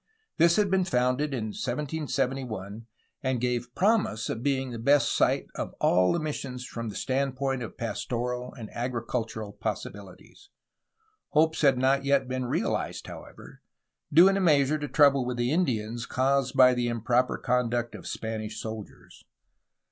This had been founded in 1771, and gave promise of being the best site of all the missions from the standpoint of pastoral and agricultural possibilities. Hopes had not yet been realized, however, due in a measure to trouble with the Indians, caused by the improper conduct of Spanish soldiers.